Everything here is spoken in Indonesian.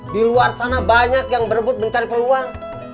di luar sana banyak yang berebut mencari peluang